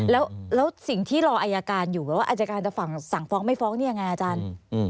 แล้วสิ่งที่รออายการอยู่แบบว่าอายการจะสั่งฟ้องไม่ฟ้องนี่ยังไงอาจารย์